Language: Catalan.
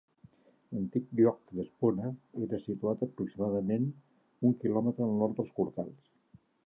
L'antic lloc d'Espona era situat aproximadament un quilòmetre al nord dels Cortals.